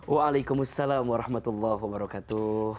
waalaikumsalam warahmatullahi wabarakatuh